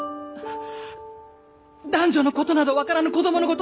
男女のことなど分からぬ子どものこと！